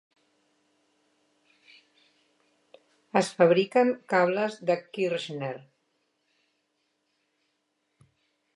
Es fabriquen cables de Kirschner.